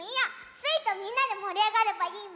スイとみんなでもりあがればいいもんねえ。